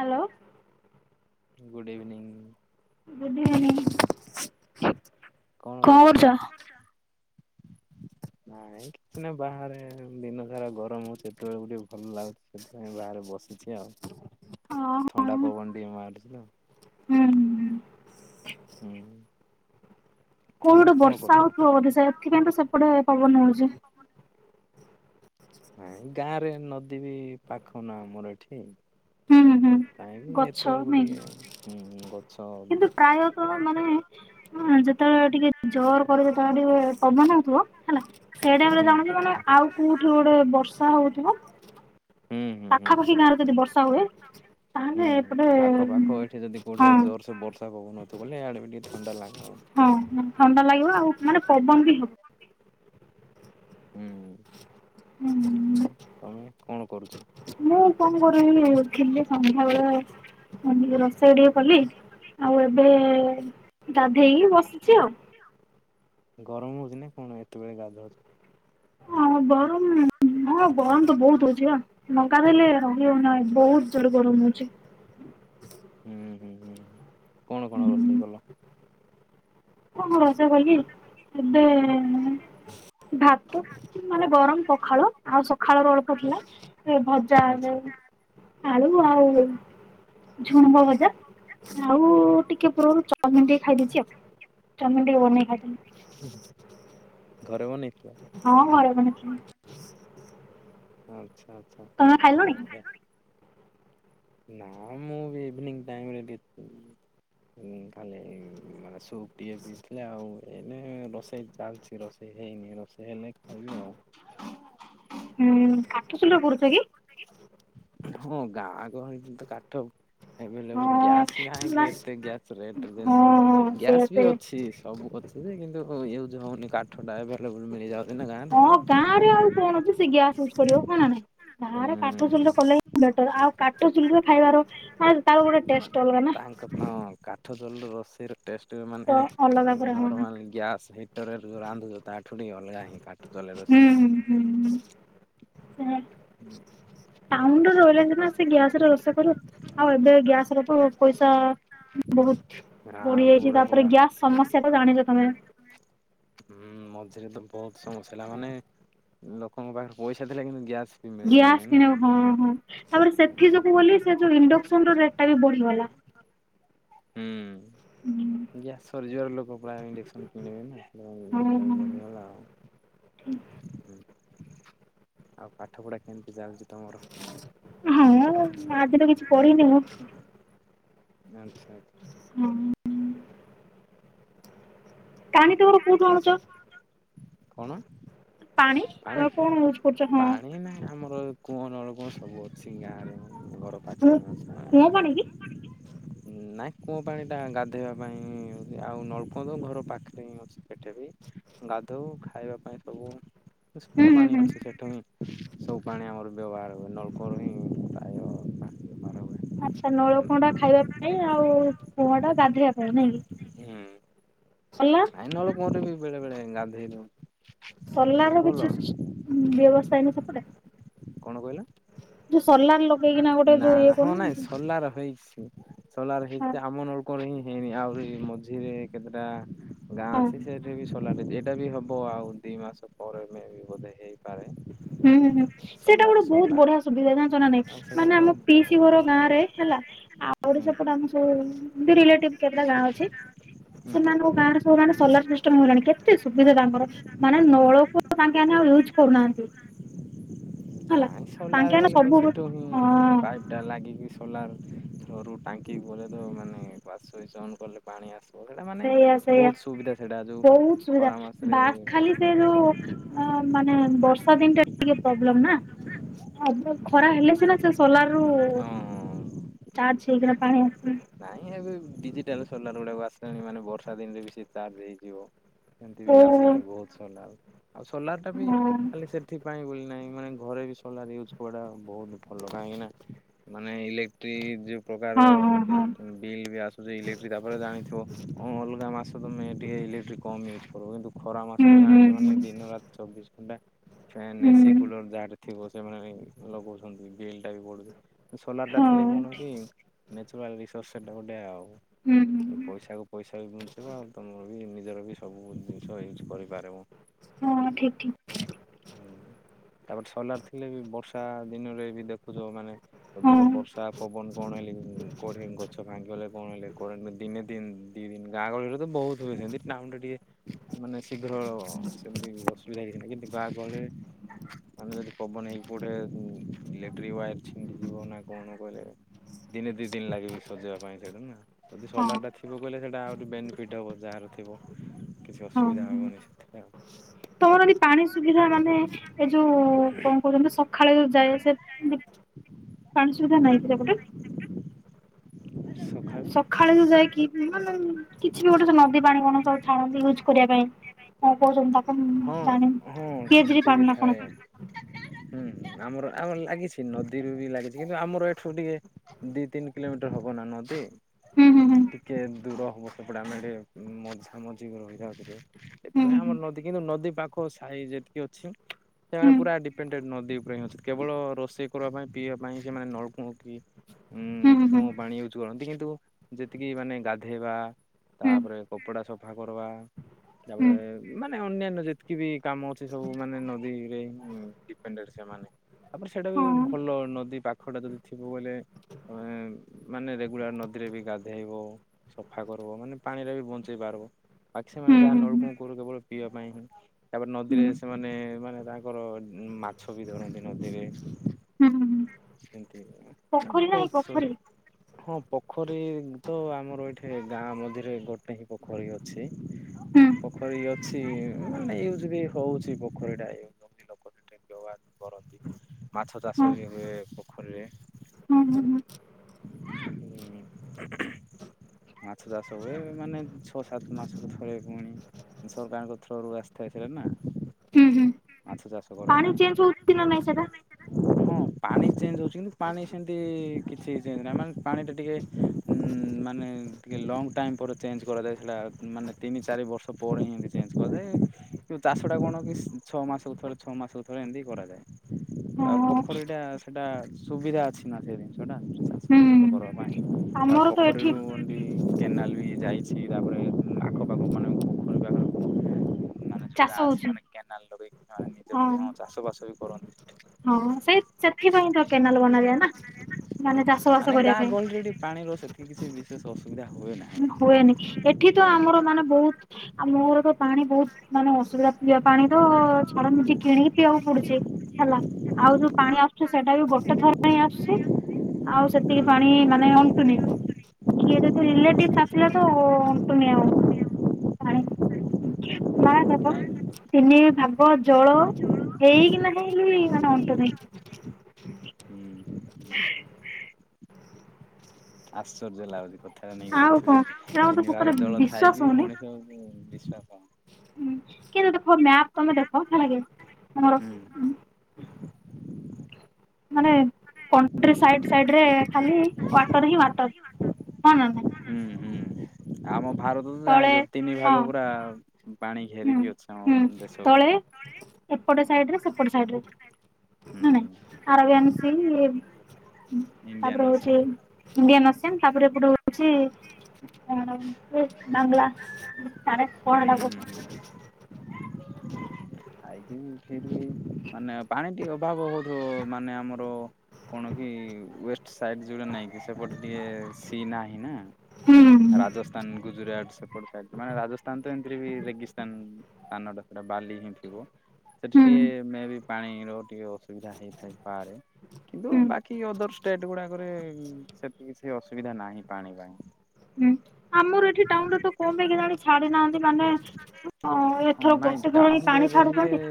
Hello. Good evening. Good evening. କଣ କରୁଚ? ନାଇଁ କିଛି ନା ବାହାରେ ଦିନ ସାରା ଗରମ୍ ହଉଚି ସେତେବେଳେ ଟିକେ ଭଲ୍ ଲାଗୁ ସେଥିପାଇଁ ବାହାରେ ବସିଛି ଆଉ। [inaudible] ହଁ ଥଣ୍ଡା ପବନ ଟିକେ ମାରୁଚି। ହୁଁ। ହୁଁ। କୋଉଠି ତମେ ଗୋଟେ କଣ ବର୍ଷା କରୁଛ? ହେଉଥିବ ବୋଧେ ସେଥିପାଇଁ ତ ସେପଟେ ପବନ ହଉଚି। ନାଇଁ ଗାଁ ରେ ନଦୀ ବି ପାଖ ନା ଆମର ଏଠି। ହୁଁ ହୁଁ ସେଥିପାଇଁ ବି ଗଛ ଏତେବେଳେକୁ ନାଇଁକି ଟିକେ ହୁଁ-ହୁଁ। କିନ୍ତୁ ପ୍ରାୟତଃ ମାନେ ହଁ, ଯେତବଳେ ଟିକେ ଜୋର୍ କରି ଯେତଳେ ଟିକେ ପବନ୍ ହେଉଥିବ ହେଲା ସେଇ ଟାଇମ୍ ରେ ହୁଁ। [unintelligible] ମାନେ ଆଉ କୋଉଠି ଗୋଟେ ବର୍ଷା ହଉଥିବ ହୁଁ ହୁଁ ହୁଁ ପାଖାପାଖି ହୁଁ ଗାଁରେ ହୁଁ ଯଦି ବର୍ଷା ହୁଏ ହୁଁ ତାହେଲେ ଏପଟେ ଆଖପାଖ ଏଠି ଯଦି ହଁ କୋଉଠେ ଜୋର ସେ ବର୍ଷା ପବନ ବୋଲେ ଆଡେ ବି ଥଣ୍ଡା ଲାଗ ହଁ-ହଁ ଥଣ୍ଡା ଲାଗିବ ଆଉ ମାନେ ପବନ୍ ବି ହଵ। ହୁଁ ହବ। ଆଉ ତମେ କଣ କରୁଛ? ମୁଁ କଣ କରୁ ଥିଲି ସନ୍ଧ୍ୟାବେଳେ ମୁଁ ଟିକେ ରୋଷେଇ ଟିକେ କଲି ଆଉ ଏବେ ଗାଧେଇକି ବସିଚି ଆଉ। ଗରମ ହଉଚି ନା କଣ ଏତେବେଳେ ଗାଧୋଉ ହଁ ଗରମ୍ ହଁ ଗରମ୍ ତ ବହୁତ୍ ହଉଚି ବା [inaudible] ରହି ହଉନାହିଁ ବହୁତ୍ ଜୋର ଗରମ୍ ହଉଚି। ହୁଁ-ହୁଁ-ହୁଁ କଣ-କଣ ରୋଷେଇ କଲ? [unintelligible] ରୋଷେଇ କଲି, ଏବେ ଭାତ ମାନେ ଗରମ୍ ପଖାଳ ଆଉ ସକାଳର ଅଳ୍ପ ଥିଲା, ଏ ଭଜା ଆଚ୍ଛା [unintelligible] ଆଳୁ ଆଉ ଝୁଡ଼ଙ୍ଗ ଭଜା, ଆଉ ଟିକେ ପୂର୍ବରୁ ଚାଉମିନ୍ ଟିକେ ଖାଇଦେଇଚି ଆଉ। ଚାଉମିନ୍ ଟିକେ ବନେଇ ଖାଇଥିଲି। ହୁଁ ହୁଁ ଘରେ ବନେଇଥିଲ? ହଁ ଘରେ ବନେଇ ଥିଲି। ଆଚ୍ଛା ଆଚ୍ଛା ତମେ ଖାଇଲଣି ବଢ଼ିଆ। କଣ ଖାଇଲେଣି? ନାଁ ମୁଁ ବି ଇଭିନିଙ୍ଗି ଟାଇମିରେ ଡ଼ିତ୍ ଉଁ ଖାଲି ମାନେ ସୁପ୍ ଟିଏ ପିଇଥିଲେ ଆଉ। ଏଇନେ ବସେଇ ଯାଉଛି ରୋଷେଇ ହେଇନି ରୋଷେଇ ହେଲେ ଖାଇବି ଆଉ [unintelligible] ହୁଁ କାଠଚୁଲିରେ ପୋଡ଼ୁଛ କି? [unintelligible] ହଁ ଗାଁ ଗହଳି ତ କାଠ ଆଉ। ଆଭେଲେବୁଲ୍ ହଁ ଗ୍ୟାସ୍ ନା କାହିଁକି ଏତେ ଗ୍ୟାସ୍ ରେଟ୍ ହଁ ଯେମିତିଯେ ହଁ ସେଇଆ ଗ୍ୟାସ୍ ବି ସେଇଆ ଅଛି। ସବୁ ଅଛି ଯେ କିନ୍ତୁ ହୋଉ ୟୁଜୁ ହଉନି କାଠ ଟା ଆଭେଲେବୁଲ୍ ମିଳିଯାଉଛି ନା ଗାଁରେ। ପଣ ଅଛି ସେଇ ଗ୍ୟାସ୍ ୟୁଜୁ କରିବ ହଁ ନାଁ ନାହିଁ ଗାଆଁରେ କାଠଚୁଲିର ହୁଁ। ସଲେହିଁ ବେଟ୍ ଟବେ ଆଉ କାଠଚୁଲିରେ ଖାଇବାର [unintelligible] ଆଉ [unintelligible] କାଠଚୁଲି ରୋଷେଇ ର ଟେଷ୍ଟ୍ ଟୁଅମାନ୍ହେ ତ ଅଲଗା ପୁରା ତମେନ୍ ହଁ ହୁଁ ନରମାଲି ଗ୍ୟାସ୍ ହିଟରରେ ଯୋଉ ରାନ୍ଧୁଛ ତାଠୁ ଟିଙ୍କେ ଅଲଗା ହିଁ କାଠ୍ ହୁଁ ହୁଁ ହୁଁ [unintelligible] ଟାଉଁଣ୍ଡର [unintelligible] ଗ୍ୟାସରେ ରୋଷେଇ କରିବ। ଆଉ ଏବେ ଗ୍ୟାସରତ ପଇସା ଉଁ ବୋହୁତ୍ ଆ ବଢ଼ି ଯାଇଛି ପୁରା ତାପରେ ପୁରା ଗ୍ୟାସ ସମସ୍ ସେ ଟ ଜାଣିଚ ତମେ। ହୁଁ ମଝିରେ ତ ବହୁତ୍ ସମସ୍ୟା ହେଲା ମାନେ ଉଁ ଲୋକଙ୍କ ପାଖରେ ପଇସା ଥିଲା କିନ୍ତୁ ଗ୍ୟାସ୍ ବି ମିଳିଲା ଗ୍ୟାସ ନାହିଁ ନା। କିଣିବାକୁ ହଁ ହଁ ତାପରେ ସେଠି ଯୋଗୁ ବୋଲି ସେ ଯୋଉ ଇଣ୍ଡକ୍ସନ୍ ର ରେଟ୍ ଟା ବିଢ଼ିଗଲା। ହୁଁ ଗ୍ୟାସ୍ ସରିଯିବାର ଲୋକ ପ୍ରାୟ ଇଣ୍ଡେକ୍ସନ୍ କିଣିବେ ନାଁ। [unintelligible] ଜିଏସଟି ହଁ ଲାଗି ବଢ଼ି ଗଲା ହୁଁ ଆଉ ପାଠ ପଢ଼ା କେମିତି ଚାଲିଛି ତମର? ହୁଁ ଆଜି ତ କିଛି ପଢ଼ିନି ମୁଁ। ଜାଣଚ୍ଛା ହଁ ହୁଁ ହୁଁ ଟାଣି ଟିବର କୋଉଠୁ ଆଣୁଚ? କଣ ପାଣି ତମେ କଣ ୟୁଜ୍ କରୁଛ ହଁ ପାଣି ନା ଆମର କୂଅ ନଳକୂଅ ସବୁ ଅଛି ଗାଁରେ। ଘର ପାଖରେ କୂଅ ମିଳୁଛି [unintelligible] କୂଅ ପାଣି କି? ନା ନାଇଁ କୁଅଁ ପାଣି ଟା ଗାଧେଇବା ପାଇଁ ଆଉ ନଳକୁଅ ତ ଘର ପାଖରେ ହିଁ ଅଛି। ଏଠି ଭି ଗାଧୋଉ ଖାଇବା ପାଇଁ ସବୁ ହୁଁ ସଫା ହୁଁ ପାଣି ହୁଁ। ଅଛି ସେଠୁ ହିଁ। [unintelligible] ସବୁ ପାଣି ଆମର ବ୍ୟବହାର ହୁଏ ନଳକୁଅରୁ ହିଁ ପ୍ରାୟ ପାଣି ବ୍ୟବହାର ହୁଏ। ଆଚ୍ଛା ନଳ କୁଅଁଟା ଖାଇବା ପାଇଁ ଆଉ କୁଅଁଟା ଗାଧେଇବା ପାଇଁ ନାଇଁକିି? ହୁଁ। ସଲା [unintelligible] ଇନଉଳୁ କହୁଥିଲି ବେଳେ ବେଳେ ଗାଧେଇନୁ। ସଲାଣି କିଛି ସିସ୍ ବ୍ୟବସ୍ଥାନି ସେପଟେ? କଣ କହିଲ? ଯୋଉ ସୋଲାର ଲଗେଇକିନା ସରିଲାଣି ଗୋଟେ ଲୋକ ନା ଯୋଉ ଇଏ ନା ହଁ ନାଇଁ କରୁନାହାନ୍ତି ସଲାର ହେଇସି। ସଲାର ହଁ ହେଇଛି ଆମନୁ ଲୋକଙ୍କର ହିଁ ହେଇନି ଆହୁରି ମଝିରେ କେତେଟା। ଗାଁ ହଁ। ଅଛି ସେଇଠି ବି ସଲାଟି ଏଇଟା ବି ହବ ଆଉ ଦି ମାସ ପରେ ମେଁ ବି ବୋଧେ ହେଇପାରେ। ହୁଁ ହୁଁ ହୁଁ ସେଇଟା ସୋଲାର ଗୋଟେ ବୋହୁତ୍ ସୋଲାର ବଢ଼ିଆସ୍ ସୁବିଧା ଯାଣିଚ ନା ନାହିଁ ଆଉ ସେଇଟା ମାନେ ତ ଆମ ବହୁତ ପିଇସି ଘର ମାନେ ଗାଁରେ ବହୁତ ହେଲା ଆଉରି ହୁଁ ସେପଟେ ଆମେ ସଉ। ରିଲେଟିଭି କେତେଟା ଗାଁ ଅଛି ହୁଁ ସେମାନଙ୍କ ଗାଁରେ ସବୁ ମାନେ ସୋଲାର ସିଷ୍ଟମ ହେଲାଣି କେତେ କେତେ ସୁବିଧା ତାଙ୍କର ମାନେ ନଳକୂଅ ତାଙ୍କେ ମାନେ ଆଉ ୟୁଜ୍ କରୁନାହାନ୍ତି। ହେଲା ନାଇ ତାଙ୍କେ ସୋଲାରେ ମାନେ ହେଲେ ତ ସବୁ ହଁ ଶୀତ ହୁଁ। ପାଇପିଟା ଲାଗିକି ସୋଲାର ଥୋଓ ରୁ ଟାଙ୍କି ପଯ୍ୟନ୍ତ ମାନେ ପାସ୍ ହୋଇଛି ଅନ୍ କଲେ ପାଣି ଆସିବ ସେଇଟା ମାନେ ସେଇଆ ସେଇଆ ବହୁତୁ ସୁବିଧା ସେଇଟା ଯୋଉ ବହୁତ ସୁବିଧା ଖରା ମାସରେ ବାସ୍ ଖାଲି ସେ ଯୋଉ ମାନେ ବର୍ଷା ଦିନଟା ଟିକେ ପ୍ରୋବ୍ଲେମେ ନା? ହଁ ବୁ ଖରା ହେଲେ ସିନା ସେ ସୋଲାର ରୁ ହଁ ଚାର୍ଜ ହେଇକିନା ପାଣି ଆସିବ। ନାଇଁ ଏବେ ଡିଜିଟାଲ ସୋଲାର ଗୁଡ଼ାକୁ ଆସିଲାଣି ମାନେ ବର୍ଷା ଦିନରେ ବି ସେ ଚାର୍ଜ ହେଇଯିବ। ସେମିତି ବି ଓ ଆସିଲାଣି ବହୁତୁ ସୋଲାର ଆଉ ସୋଲାର ଟା ବି ହଁ ଖାଲି ସେ ଏଥିପାଇଁ ବୋଲି ନାଇଁ ମାନେ ଘରେ ବି ସୋଲାର ଇୟୁଜୁ କୁଡା ବହୁତୁ ଭଲ କାହିଁକି ନା ମାନେ ଇଲେକ୍ଟ୍ରି ଯୋଉ ହଁ ପ୍ରକାର ହଁ ହଁ ବିଲ୍ ବି ଆସୁଚି ଇଲେକ୍ଟ୍ରି ତାପରେ ଜାଣିଥିବ ହଁ ଅଲଗା ମାସ ତୁମେ ଟିକେ ଇଲେକ୍ଟ୍ରିକ୍ କମ୍ ଇୟୁଜ୍ କର କିନ୍ତୁ ଖରା ମାସ ହୁଁ ତୁ ହୁଁ ଜାଣିଚି ହୁଁ ମାନେ ଦିନ ରାତି ଚବିଶି ଘଣ୍ଟା ଫିୟାନ ଏସିି ହୁଁ କୁଲର ଯାହାର ଥିବ ସେମାନେ ନେଇକି ଲଗଉଛନ୍ତି ବିଲ୍ ଟା ବି ବଢୁଚି ସୋଲାର ଟା ହଁ ଥିଲେ କଣ କି? ସେମାନେ ରି ସ ସେଟେ ଆଉ। ହୁଁ ହୁଁ। ପଇସାକୁ ପଇସା ବି ବଞ୍ଚିବ ଆଉ ତୁମର ବି ନିଜର ବି ସବୁ ଜିନିଷ ୟୁଜ୍ କରିପାରିବ। ହଁ ଠିକ୍ ଠିକ୍। ହୁଁ ତାପରେ ସୋଲାର ଥିଲେ ବି ବର୍ଷା ଦିନରେ ବି ଦେଖୁଥିବ ମାନେ ହଁ ଅଧିକ ବର୍ଷା ପବନ କଣ ହେଲେ କଢେଇକ ଗଛ ଫାଙ୍ଗିଗଲେ କଣ ହେଲେ କରେଣ୍ଟେ ଦିନେ ତିନି ଦି ଦିନି ଗାଁ ଗହଳିରେ ତ ବହୁତୁ ହୁଏ ସେମିତି ଟାଉନୁ ରେ ଟିକେ ମାନେ ଶୀଘ୍ର ସେମିତି ଅସୁବିଧା ହେଇଥିଲା କିନ୍ତୁ ଗାଁ ଗହଳିରେ ମାନେ ଯଦି ପବନ ହେଇ ଗୋଟେ ଇଲେକ୍ଟ୍ରିକି ୱାୟାର ଛିଣ୍ଡିଯିବ ନା କଣ କହିଲେ ଦିନେ ଦି ଦିନି ଲାଗିବ ସଜେଇବା ପାଇଁ ସେଇଟା ନା ଯଦି ହଁ ସୋଲାର ଟା ଥିବ ଥିବ କହିଲେ ସେଇଟା ଆହୁରି ବେନିଫିଟ୍ ହେବ ଯାହାର ଥିବ କିଛି ହଁ ଅସୁବିଧା ହେବନି ସେଥି ପାଇଁ ଆଉ। ତମର ଏଠି ପାଣି ସୁବିଧା ମାନେ ଏ ଯୋଉ କଣ କହୁଚନ୍ତି ସ ସଖାଳେ ଯାଇ ସେ [unintelligible] ପାଣି ସୁବିଧା ନାହିଁ କି ସେପଟେ? [inaudible] ଆଉ ସକାଳୁ ସକାଳେ ଯୋଉ ଯାଇକି ମାନେ କିଛି ବି ଗୋଟେ ନଦୀ ପାଣି କଣ ସବୁ ଛାଣନ୍ତି ୟୁଜ୍ କରିବା ପାଇଁ। କହୁଚନ୍ତି ଆପଣ ହଁ ଜାଣି ହଁ ପି ଏଚ ସେମିତି ବି ପାଣି ଥାଏ ଆପଣ। [unintelligible] ହୁଁ ଆମର ଆମ ଲାଗିଛି ନଦୀରୁ ବି ଲାଗିଛି କିନ୍ତୁ ଆମର ଏଠୁ ଟିକେ ଦି ତିନି କିଲୋମିଟର ହବ ନା ନଦୀ। ହୁଁ ହୁଁ ହୁଁ ଟିକେ ଦୂର ହବ ସେପଟେ ଆମେ ଟିକେ ମଝା ମଝି ରହିଯାଉ ଟିକେ। ହୁଁ ସେଥିପାଇଁ ଆମର ନଦୀ କିନ୍ତୁ ନଦୀ ପାଖ ସାହି ଯେତିକି ଅଛି ସେମାନେ ହୁଁ ପୁରା ଡିପେଣ୍ଡେ ନଦୀ ଉପରେ ଅଛି କେବଳ ରୋଷେଇ କରିବା ପାଇଁ ପିଇବା ପାଇଁ ସେମାନେ ନଳକୂଅ କି ହୁଁ ହୁଁ ଉଁ ହୁଁ କୂଅ ପାଣି ୟୁଜ୍ କରନ୍ତି କିନ୍ତୁ ଯେତିକି ମାନେ ଗାଧୋଇବା ହୁଁ ତାପରେ କପଡ଼ା ସଫା କରବା। ହୁଁ ହୁଁ ତାପରେ ମାନେ ଅନ୍ୟାନ୍ୟ ଯେତିକି ବି କାମ ଅଛି ସବୁ ମାନେ ନଦୀରେ ଡିପେଣ୍ଡେଡେ ସେମାନେ ତାପରେ ସେଇଟା ବି ହଁ ଭଲ ନଦୀ ପାଖଟା ଯଦି ଥିବ ବୋଲେ ତମେ ମାନେ ରେଗୁଲାର ନଦୀରେ ବି ଗାଧେଇବ। ସଫା କରିବ ମାନେ ପାଣିରେ ବି ବଞ୍ଚେଇ ପାରବ। [unintelligible] ବାକି ସେମାନେ ହୁଁ ଯାହା ହୁଁ ହୁଁ ନଳକୂ କରୁ କେବଳ ପିଇବା ପାଇଁ ହୁଁ ତାପରେ ହୁଁ ନଦୀରେ ହୁଁ ସେମାନେ ମାନେ ତାଙ୍କର ମାଛ ବି ଧରନ୍ତି ନଦୀରେ ହୁଁ ହୁଁ। ଏମିତି। ପୋଖରୀ ନାହିଁ ବହୁତଛ ପୋଖରୀ [unintelligible] ହଁ ପୋଖରୀ ତ ଆମର ଏଇଠି ଗାଁ ମଝିରେ ଗୋଟେ ହିଁ ପୋଖରୀ ଅ ଛି ହୁଁ ପୋଖରୀ ଅଛି ମାନେ ୟୁଜ ବି ହଉଛି ପୋଖରୀ ଟା ଏ ବ୍ୟବହାର କରନ୍ତି ମାଛ ହଁ ଚାଷ ବି ହୁଏ ପୋଖରୀରେ। ହୁଁ [inaudible] ହୁଁ ହୁଁ ମାଛ ଚାଷ ହୁଏ ମାନେ ଛଅ ସାତ ମାସକୁ ଥରେ ପୁଣି ସରକାରଙ୍କ ଥ୍ରୋରୁ ଆସିଥାଏ ସେଇଟା ନା। ହୁଁ ହୁଁ ମାଛ ଚାଷ କରିବା ପାଣି ପାଇଁ ଚେଞ୍ଜ ହଉଛି ନା ନହିଁ ସେଟା? ହଁ ପାଣି ଚେଞ୍ଜ ହଉଛି କିନ୍ତୁ ପାଣି ସେମିତି କିଛି ଚେଞ୍ଜ ନାହିଁ ମାନେ ପାଣି ଟା ଟିକେ ଉମ୍ ମାନେ ଟିକେ ଲଙ୍ଗ୍ ଟାଇମ୍ ପରେ ଚେଞ୍ଜ କରାଯାଇଥିଲା। ମାନେ ତିନି ଚାରି ବର୍ଷ ପରେ ହେନ୍ତି ଚେଞ୍ଜ କରେ କି ଚାଷ ଟା କଣ କି ଛଅ ମାସକୁ ଥରେ ଛଅ ମାସ କୁ ଥରେ ଏମିତି କରାଯାଏ। ତାର ହଁ। ପୋଖରୀଟା ସେଟା ସୁବିଧା ଅଛି ନା ସେ ଜିନିଷଟା ଚାଷ ହୁଁ କରା କରିବାପାଇଁ। ତାରେ ଆମର ତ ଏଠି ପୋଖରୀରୁ ବି କେନାଲ ବି ଯାଇଛି ତାପରେ ଆଖପାଖ ମନେ [inaudible] ମାନେ ଯୋ ଚାଷ ଗା ଅଛି ହଉଛି। ମାନେ କେନାଲରୁ ବି ନିଜର ହଁ। ବି ଚାଷବାସ ବି କର ହଁ ସେଇ ସେଥିପାଇଁ ତ କେନାଲ ବନାଯାଏ ନା ମାନେ ଚାଷ ବାସ କ ଗାଁ ଗହଳିରେ ଟିକେ ପାଣିର ସେତିକ କିିଛି ବିଶେଷ ଅସୁବିଧା ହୁଏ ନାହିଁ। ହୁଏନି। ଏଠି ତ ଆମର ମାନେ ବହୁତ ଆମ ଘରେ ତ ପାଣି ବହୁତ୍ ମାନେ ଅସୁବିଧା ପିଇବା ପାଣି ତ ଛାଡ ନିଜେ କିଣିକି ପିଇବାକୁ ପଡୁଛି। ହେଲା? ଆଉ ଯୋଉ ପାଣି ଆସୁଛି ସେଇଟା ବି ଗୋଟେ ଥର ହିଁ ଆସୁଛି। ଆଉ ସେତିକି ପାଣି ମାନେ ଅଣ୍ଟୁନି କିଏ ଯଦିି ରିଲେଟିଭ୍ ଆସିଲେ ତ ଆଉ ଅଣ୍ଟୁନି ଆଉ ପାଣି। ହୁଁ ନାଇଁ ତିନି ଭାଗ ଜଳ ହେଇକି ନା ହେଲିି ମାନେ ଅଣ୍ଟୁନି। ହୁଁ। ଆଶ୍ଚର୍ଯ୍ୟ ଲାଗୁଛି କ କଥାରେ ନେଇକି ଆଉ କଣ ପୃଥିବୀରେ ଏଇଟା ମତେ ତିନି ସତରେ ଭାଗ ଜଳ ଥାଇକି ବି ମଣିଷ ବିଶ୍ୱାସ ହଁ କିନ୍ତୁ ଦେଖ ମ୍ୟାପ୍ ତମେ ଦେଖ ଥରେ ତମର ହୁଁ। [inaudible] ମାନେ କଣ୍ଟ୍ରି ସାଇଡ୍ ସାଇଡ୍ରେ ଖାଲି ୱାଟର୍ ହିଁ ୱାଟର୍ ହଁ କି ନାଇଁ। ହୁଁ ହୁଁ ଆମ ଭାରତ ତ ତଳେ ଜାଣିଛ ତିନି ହଁ ଭାଗ ପୁରା ପାଣି ହୁଁ ଘେରିକି ଅଛି ଆମ ଦେଶକୁ। ଏପଟେ ସାଇଡରେ ସେପଟେ ସାଇଡରେ ହୁଁ ନା ନାଇଁ? ଆରବିଆନ୍ ସି ଇଣ୍ଡିଆନ ତାପରେ ହଉଛି ଓସନ୍ ଇଣ୍ଡିଆନ ଓସିଅନ ତାପରେ ଏପଟେ ହଉଛି ହଁ ବାଙ୍ଗଲା [unintelligible] ହୁଁ କହୁଛନ୍ତି ହୁଁ ହୁଁ। [inaudible] ଆଇଥିଙ୍କ ଫିର ବି ମାନେ ପାଣି ଟିକେ ଅଭାବ ହଉଥିବ ମାନେ ଆମର କଣ କି ୱେଷ୍ଟ ସାଇଡ ଯୋଉଟା ନାଇଁ କି ସେପଟେ ଟିକେ ସି ନାହିଁ ନା। ହୁଁ ରାଜସ୍ଥାନ୍ ଗୁଜୁରାଟ୍ ସେପଟ ସାଇଡ୍ରେ ମାନେ ରାଜସ୍ ତାନ୍ ତ ଏମ୍ତିରେ ବି ରେଗିସ୍ତାନ୍ ସ୍ଥାନଟା ପୁରା ବାଲି ହିଁ ଥିବ। ସେଠି ହୁଁ ଟିକେ ମେବି ପାଣିର ଟିକେ ଅସୁବିଧା ହେଇଥାଏ ପାରେ। କିନ୍ତୁ ହୁଁ ବାକି ଅଦର୍ ଷ୍ଟେଟ୍ ଗୁଡ଼ାକରେ ସେତିକ କିଛି ଅସୁବିଧା ନାହିଁ ପାଣି ପାଇଁ। ହୁଁ ଆମର ଏଠି ଟାଉନ୍ରେ ତ କଣ ପାଇଁ କେଜାଣି ଛାଡି ନାହାନ୍ତି ମାନେ ହଁ ଏଥର ନାଇଁ ଗୋଟେ ବେଳେ ହିଁ ଟାଉନରେ ପାଣି ରହିଲେ ଛାଡୁଛନ୍ତି,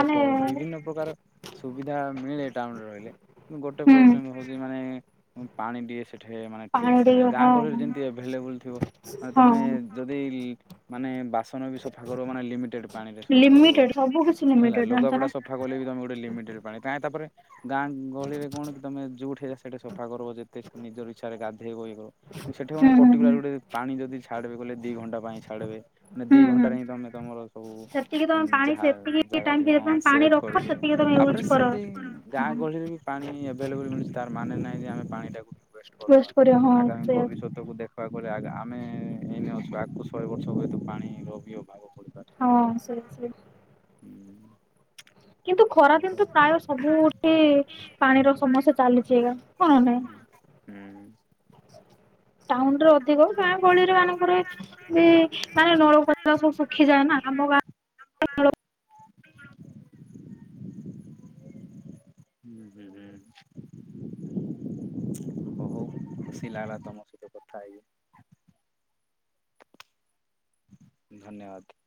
ଦେଖ ବିଭିନ୍ନ ପ୍ରକାର। ସୁବିଧା ମିଳେ ଟାଉନରେ ରହିଲେ କିନ୍ତୁ ଗୋଟେ ହୁଁ ପ୍ରୋବ୍ଲେମ ହଉଛି ମାନେ ପାଣି ଟିକେ ସେ ଠେ ମାନେ ପାଣି ଠିକ ସେ ଟିକେ ହଁ ଗାଁ ଗହଳିରେ ଯେମିତି ଏଭେଲେବୁଲ ଥିବ ମାନେ ହଁ ତମେ ଯଦି। ମାନେ ବାସନ ବି ସଫା କରୁ ମାନେ ଲିମିଟେଡ୍ ପାଣିରେ ସଫା କରିବ। ଲିମିଟେଡ ସବୁ କିଛି ହେଲା ଲିମିଟେଡ଼। ଲୁଗାପଟା ସଫା କଲେ ବି ତମେ ଗୋଟେ ଲିମିଟେଡ଼ ପାଣି ତାଇଁ ତାପରେ। ଗାଁ ଗହଳିରେ କଣ କି ତମେ ଯୋଉଠି ସେଇଠି ସଫା କରିବ ଯେତେ ନିଜର ଇଚ୍ଛାରେ ଗାଧେଇବ ଇଏ କର। ସେଠି କଣ ହୁଁ ହୁଁ ପର୍ଟିକୁଲାର ଗୋଟେ ପାଣି ଯଦି ଛାଡ଼ିବେ ବଲେ ଦୁଇ ଘଣ୍ଟା ପାଇଁ ଛାଡ଼ିବେ। ମାନେ ଦି ହୁଁ ହୁଁ ହୁଁ। ଘଣ୍ଟାରେ ହିଁ ତମେ ତମର ସବୁ ସେତିକି ତମେ ପାଣି ଯାହା ସେତିକି ଜାଗା ଟାଇମ ଥିବ ଭିତରେ ହଁ ତମେ ସେ ପାଣି ରଖ ସେତିକି କରିକିରି ତମେ ୟୁଜ ତାପରେ କର। ସେମିତି ଗାଁ ଗହଳିରେ ବି। ପାଣି ଏଭେଲେବଲ ମିଳୁଛି ତାର ମାନେ ନାହିଁ ଯେ ଆମେ ପାଣି ଟାକୁ ଟିକେ ୱେଷ୍ଟ କରିଦେବା କରିବ ହଁ ଆଗାମୀ ସେୟା ଭବିଷ୍ୟତ କୁ ଦେଖିବାକୁ ଗଲେ ଆଗ ଆମେ ଏଇନେ ଅଛୁ ଆଗକୁ ଶହେ ବର୍ଷ ହୁଏତ ପାଣିର ବି ଅଭାବ ହେଇପାରେ। ହଁ ସେ ବି ଠିକ। ହୁଁ। କିନ୍ତୁ ଖରାଦିନ ତ ପ୍ରାୟ ସବୁଠି ପାଣିର ସମସ୍ୟା ଚାଲିଛି ଆଜ୍ଞା ହୁଁ କଣ ନାହିଁ। ହୁଁ। ଟାଉନ ରେ ଅଧିକ ଗାଁ ଗହଳିରେ ମାନଙ୍କରେ। ମାନେ ନଳକୂପ ସବୁ ଶୁଖିଯାଏ ନା ଆମ ଗାଁ। ହୁଁ ହୁଁ ହୁଁ। ହ ହୁଉ ଖୁସି ଲାଗିଲା ତମ ସହିତ କଥା ହେଇ। ଧନ୍ୟବାଦ।